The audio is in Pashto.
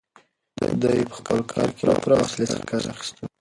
ده په خپل کار کې له پوره حوصلې څخه کار اخیست.